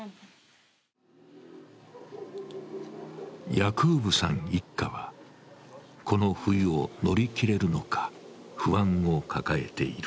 ヤクーブさん一家は、この冬を乗り切れるのか不安を抱えている。